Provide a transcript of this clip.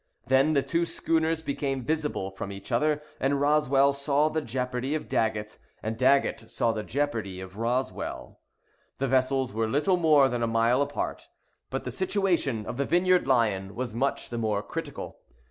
Then the two schooners became visible from each other, and Roswell saw the jeopardy of Daggett, and Daggett saw the jeopardy of Roswell. The vessels were little more than a mile apart, but the situation of the Vineyard Lion was much the more critical.